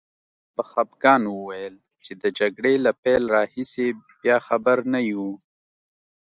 انیلا په خپګان وویل چې د جګړې له پیل راهیسې بیا خبر نه یو